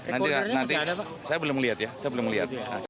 saya belum lihat ya saya belum lihat